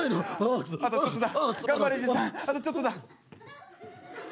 あとちょっとだ。